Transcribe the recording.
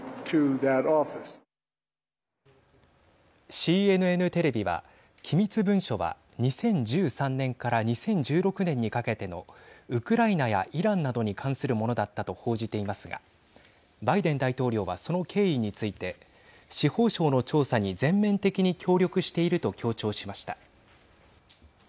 ＣＮＮテレビは機密文書は２０１３年から２０１６年にかけてのウクライナやイランなどに関するものだったと報じていますがバイデン大統領はその経緯について司法省の調査に全面的に協力していると強調しました。